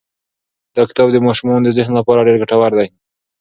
دا کتاب د ماشومانو د ذهن لپاره ډېر ګټور دی.